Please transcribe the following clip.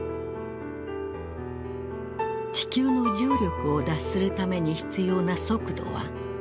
地球の重力を脱するために必要な速度は？